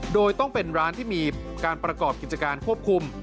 โดยต้องเป็นร้านที่มีการประกอบกิจการควบคุม